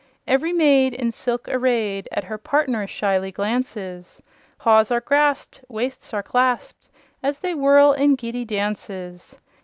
Ev'ry maid In silk arrayed At her partner shyly glances, Paws are grasped, Waists are clasped As they whirl in giddy dances.